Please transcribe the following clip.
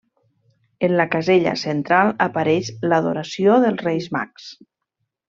En la casella central apareix l'Adoració dels Reis Mags.